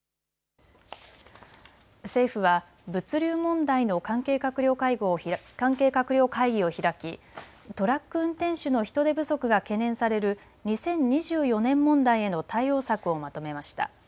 政府は物流問題の関係閣僚会議を開きトラック運転手の人手不足が懸念される２０２４年問題への対応策をまとめました。